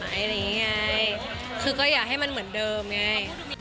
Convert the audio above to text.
อะไรอย่างนี้ไงคือก็อยากให้มันเหมือนเดิมไง